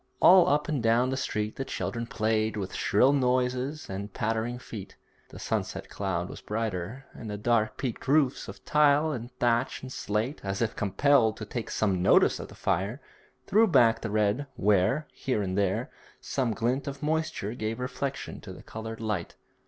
All up and down the street the children played with shrill noises and pattering feet. The sunset cloud was brighter, and the dark peaked roofs of tile and thatch and slate, as if compelled to take some notice of the fire, threw back the red where, here and there, some glint of moisture gave reflection to the coloured light.